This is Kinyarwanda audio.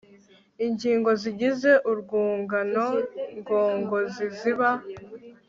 ingingo zigize urwungano ngogozi ziba